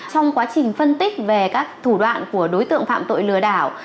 trong quá trình phân tích về các thủ đoạn của đối tượng phạm tội lừa đảo